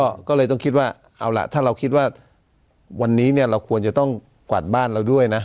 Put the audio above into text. ก็เลยต้องคิดว่าเอาล่ะถ้าเราคิดว่าวันนี้เนี่ยเราควรจะต้องกวาดบ้านเราด้วยนะ